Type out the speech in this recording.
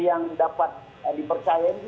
yang dapat dipercayai